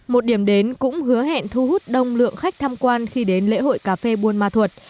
một điểm đến cũng hứa hẹn thu hút đông lượng khách tham quan khi đến lễ hội cà phê buôn ma thuột